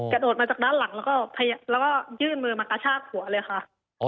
กระโดดมาจากด้านหลังแล้วก็ยื่นมือมากระชากหัวเลยค่ะ